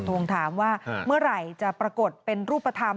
ทวงถามว่าเมื่อไหร่จะปรากฏเป็นรูปธรรม